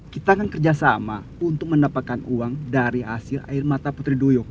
kita akan kerjasama untuk mendapatkan uang dari hasil air mata putri duyung